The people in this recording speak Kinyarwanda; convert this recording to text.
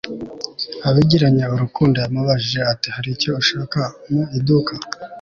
abigiranye urukundo yamubajije ati hari icyo ushaka mu iduka